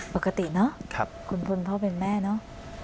ปกติเนอะคุณพ่อเป็นแม่เนอะ